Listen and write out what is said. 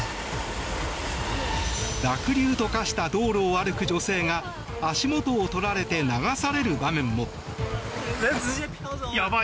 濁流と化した道路を歩く女性が足元を取られて流される場面も。